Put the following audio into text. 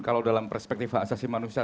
kalau dalam perspektif hak asasi manusia